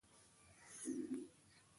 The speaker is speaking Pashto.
هغه د مغولو د واکمن اطاعت وکړي.